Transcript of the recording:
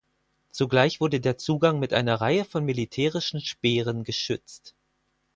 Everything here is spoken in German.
Zugleich wurde der Zugang mit einer Reihe von militärischen Speeren geschützt.